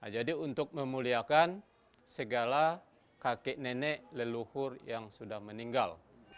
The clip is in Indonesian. jadi untuk memuliakan segala kakek nenek leluhur yang sudah meninggal